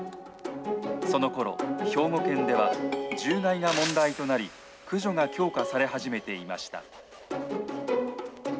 そのころ、兵庫県では獣害が問題となり、駆除が強化され始めていました。